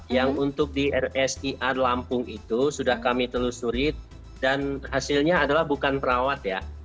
yang untuk di rsir lampung itu sudah kami telusuri dan hasilnya adalah bukan perawat ya